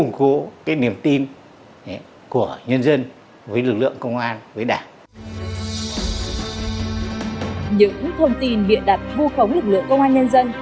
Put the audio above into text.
những thông tin bịa đặt vu khống lực lượng công an nhân dân